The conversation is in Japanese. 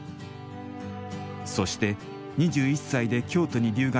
そして２１歳で京都に留学。